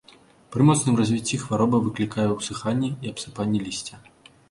Пры моцным развіцці хвароба выклікае усыханне і абсыпанне лісця.